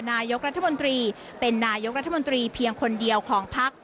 นายกรัฐมนตรีเป็นนายกรัฐมนตรีเพียงคนเดียวของพัก